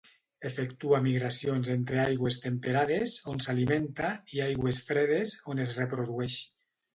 Efectua migracions entre aigües temperades, on s'alimenta, i aigües fredes, on es reprodueix.